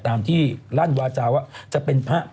ตามที่ร่านวาจาวจะเป็นพระ